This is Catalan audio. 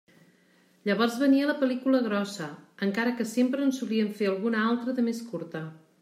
Llavors venia la pel·lícula grossa, encara que sempre en solien fer alguna altra de més curta.